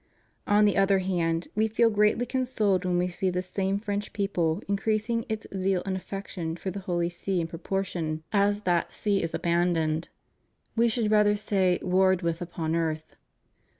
On the other hand, We feel greatly consoled when We see this same French people increasing its zeal and af fection for the Holy See in proportion as that See is 249 250 ALLEGIANCE TO THE REPUBLIC. abandoned — We should rather say warred with upon earth.